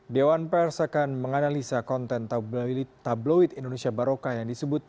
dewan pers akan menganalisa konten tabloid indonesia baroka yang disebut